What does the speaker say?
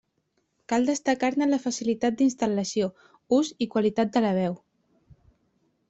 Cal destacar-ne la facilitat d'instal·lació, ús i qualitat de la veu.